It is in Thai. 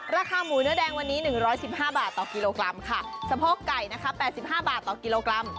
ราคาหมูเนื้อแดงวันนี้๑๑๕บาทต่อกิโลกรัมค่ะสะโพกไก่นะคะ๘๕บาทต่อกิโลกรัม